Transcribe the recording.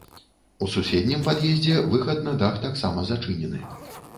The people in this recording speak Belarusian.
У суседнім пад'ездзе выхад на дах таксама зачынены.